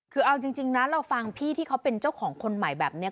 คือเอาจริงนะเราฟังพี่ที่เขาเป็นเจ้าของคนใหม่แบบนี้